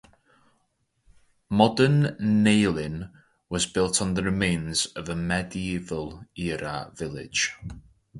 Modern Nahalin was built on the remains of a medieval-era village.